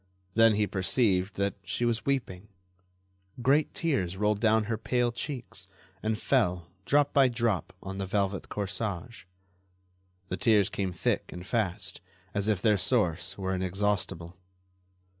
Then he perceived that she was weeping. Great tears rolled down her pale cheeks and fell, drop by drop, on the velvet corsage. The tears came thick and fast, as if their source were inexhaustible.